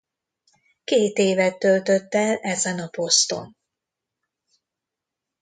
Két évet töltött el ezen a poszton.